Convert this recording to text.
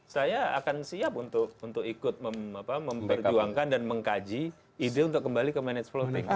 saya akan siap untuk ikut memperjuangkan dan mengkaji ide untuk kembali ke manage floating